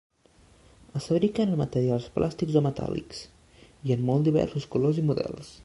Es fabriquen en materials plàstics o metàl·lics i en molt diversos colors i models.